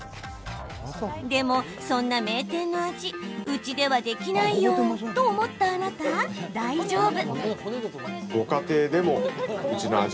でも、そんな名店の味うちではできないよ！と思ったあなた、大丈夫。